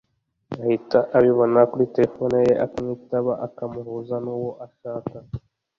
ahita abibona kuri terefone ye akamwitaba akamuhuza n’uwo ashaka